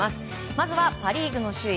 まずはパ・リーグの首位